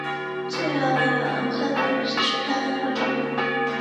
翅柄蓼为蓼科蓼属下的一个种。